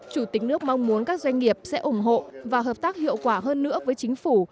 chủ tịch nước mong muốn các doanh nghiệp sẽ ủng hộ và hợp tác hiệu quả hơn nữa với chính phủ